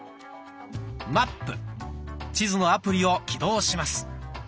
「マップ」地図のアプリを起動します。